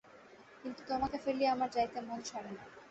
কিন্তু তোমাকে ফেলিয়া আমার যাইতে মন সরে না।